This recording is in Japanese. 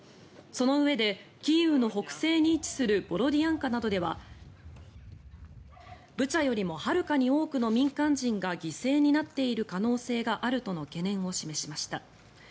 そのうえでキーウの北西に位置するボロディアンカなどではブチャよりもはるかに多くの民間人が犠牲になっている可能性があるとの懸念を示しました。